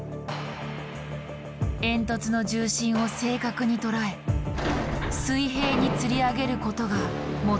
煙突の重心を正確に捉え水平につり上げることが求められる。